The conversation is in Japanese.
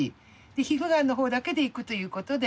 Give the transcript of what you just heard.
皮膚がんのほうだけでいくということで。